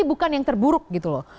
bukan yang terburuk gitu loh